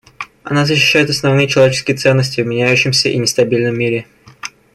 Она защищает основные человеческие ценности в меняющемся и нестабильном мире.